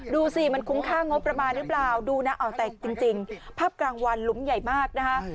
ดูสิมันคุ้มค่างบประมาณหรือเปล่าดูนะเอาแต่จริงภาพกลางวันหลุมใหญ่มากนะคะ